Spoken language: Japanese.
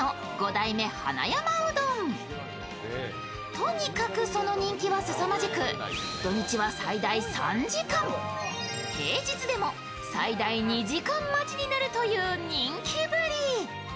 とにかくその人気はすさまじく土日は最大３時間、平日でも最大２時間待ちになるという人気ぶり。